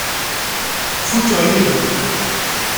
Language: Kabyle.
Fukeɣ yid-m.